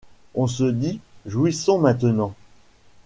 On se dit : jouissons maintenant.